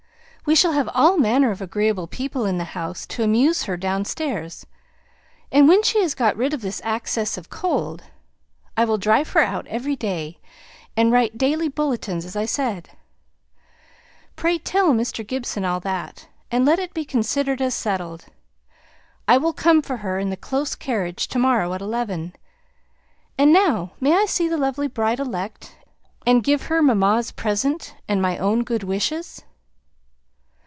We shall have all manner of agreeable people in the house to amuse her downstairs; and when she has got rid of this access of cold, I will drive her out every day, and write daily bulletins, as I said. Pray tell Mr. Gibson all that, and let it be considered as settled. I will come for her in the close carriage to morrow, at eleven. And now may I see the lovely bride elect, and give her mamma's present, and my own good wishes?"